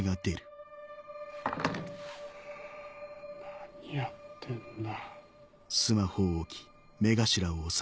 何やってんだ。